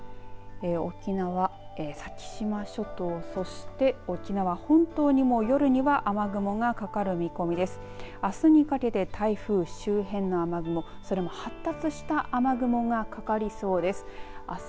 沖縄先島諸島そして、沖縄本島にも夜には雨雲がかかる見込みです。